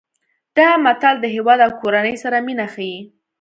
دا متل د هیواد او کورنۍ سره مینه ښيي